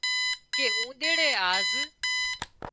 ڪي اونۮريڙي آز